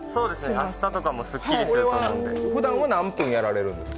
明日とかもすっきりすると思うんで。ふだんは何分やられるんですか？